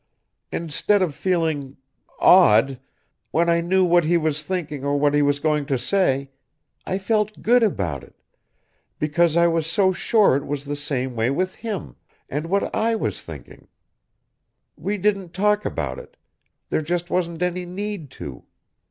Instead of feeling ... odd ... when I knew what he was thinking or what he was going to say, I felt good about it, because I was so sure it was the same way with him and what I was thinking. We didn't talk about it. There just wasn't any need to."